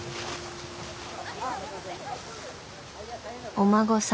お孫さん